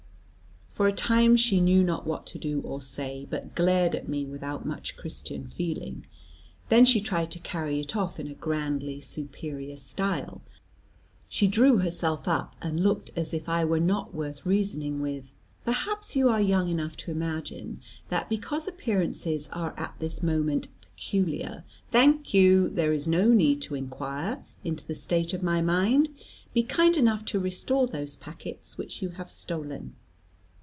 For a time she knew not what to do or say, but glared at me without much Christian feeling. Then she tried to carry it off in a grandly superior style. She drew herself up, and looked as if I were not worth reasoning with. "Perhaps you are young enough to imagine, that because appearances are at this moment peculiar " "Thank you: there is no need to inquire into the state of my mind. Be kind enough to restore those packets which you have stolen."